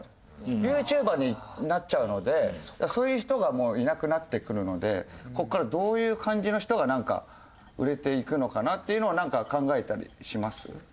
ＹｏｕＴｕｂｅｒになっちゃうのでそういう人がいなくなってくるのでここからどういう感じの人が売れていくのかなっていうのをなんか考えたりします？